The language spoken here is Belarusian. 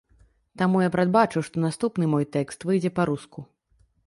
Таму я прадбачу, што наступны мой тэкст выйдзе па-руску.